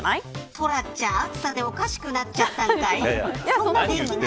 トラちゃん暑さでおかしくなっちゃったのかい。